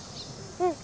うん。